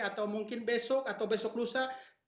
atau mungkin besok atau besok lusa